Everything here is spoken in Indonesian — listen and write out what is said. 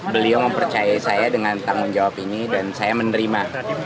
beliau mempercayai saya dengan tanggung jawab ini dan saya menerima